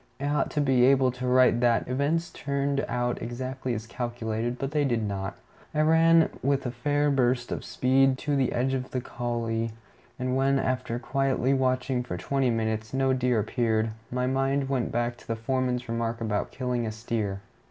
I ought to be able to write that "events turned out exactly as calculated," but they did not. I ran with a fair burst of speed to the edge of the coulée, and when, after quietly watching for twenty minutes, no deer appeared, my mind went back to the foreman's remark about killing a steer.